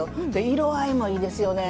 色合いもいいですよね。